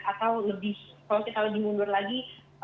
atau lebih kalau kita lebih mundur lagi